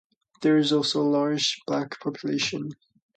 There is also a large black population.